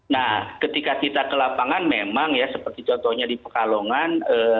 nah ketika kita ke lapangan memang ya seperti contohnya di pekalongan